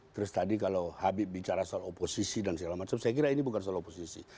terus tadi kalau habib bicara soal oposisi dan segala macam saya kira ini bukan soal oposisi